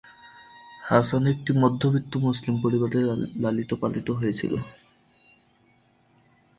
হাসান একটি মধ্যবিত্ত মুসলিম পরিবারে লালিত-পালিত হয়েছিল।